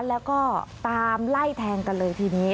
แล้วก็ตามไล่แทงกันเลยทีนี้